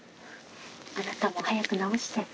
あなたも早く治して。